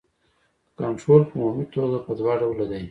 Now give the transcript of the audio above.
کنټرول په عمومي توګه په دوه ډوله دی.